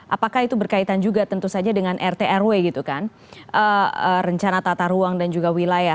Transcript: apakah itu berkaitan juga tentu saja dengan rt rw gitu kan rencana tata ruang dan juga wilayah